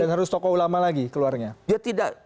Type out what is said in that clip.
dan harus tokoh ulama lagi keluarnya